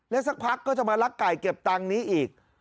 สักพักก็จะมาลักไก่เก็บตังค์นี้อีก